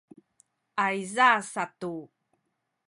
ayza satu